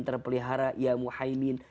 terpelihara ya muhaymin